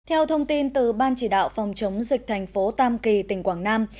theo thông tin từ ban chỉ đạo phòng chống dịch thành phố tam kỳ tỉnh quảng nam